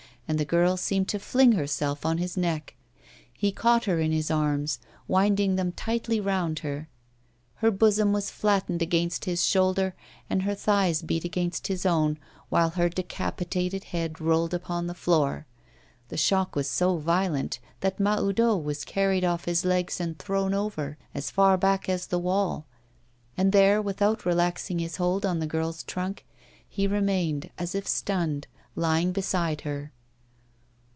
And the girl seemed to fling herself on his neck. He caught her in his arms, winding them tightly around her. Her bosom was flattened against his shoulder and her thighs beat against his own, while her decapitated head rolled upon the floor. The shock was so violent that Mahoudeau was carried off his legs and thrown over, as far back as the wall; and there, without relaxing his hold on the girl's trunk, he remained as if stunned lying beside her.